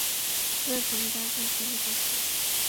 তাদের ফোনে dark net চালু করছে।